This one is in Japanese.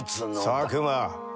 佐久間。